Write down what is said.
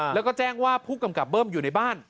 แล้วก็แจ้งว่าผู้กำกับเบิ้มอยู่ในบ้าน